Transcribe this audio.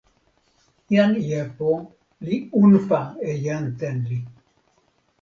jan Jepo li unpa e jan Tenli.